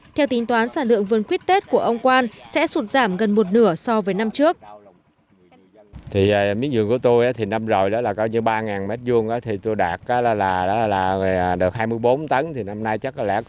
theo tính toán sản lượng vườn quýt tết của ông quan sẽ sụt giảm gần một nửa so với năm trước